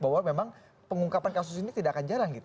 bahwa memang pengungkapan kasus ini tidak akan jarang gitu